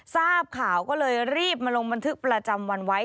ทราบข่าวก็เลยรีบมาลงบันทึกประจำวันไว้